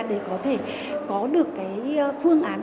để có thể có được cái phương án